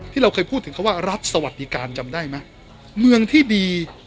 ที่เราเคยพูดถึงเขาว่ารัฐสวัสดิการจำได้ไหมเมืองที่ดี